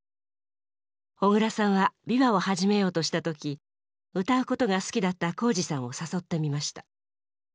小椋さんは琵琶を始めようとした時歌うことが好きだった宏司さんを誘ってみました。